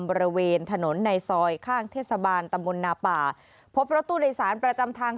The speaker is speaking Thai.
บริเวณถนนในซอยข้างเทศบาลตำบลนาป่าพบรถตู้โดยสารประจำทาง